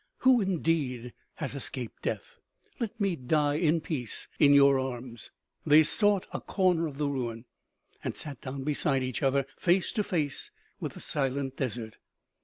Who, indeed, has escaped death ? Let me die in peace in your arms." They sought a corner of the ruin and sat down beside each other, face to face with the silent desert.